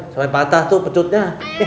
sampai patah tuh pecutnya